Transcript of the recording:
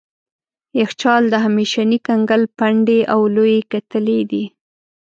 یخچال د همیشني کنګل پنډې او لويې کتلې دي.